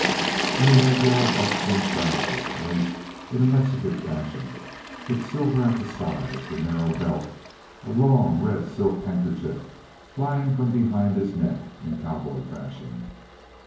And he had yellow buckskin trousers, laced in a Mexican fashion with silver at the sides; a narrow belt, a long, red silk handkerchief flying from behind his neck in cowboy fashion.